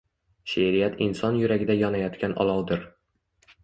She’riyat inson yuragida yonayotgan olovdir.